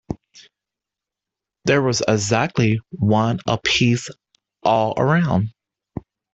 There was exactly one a-piece all round.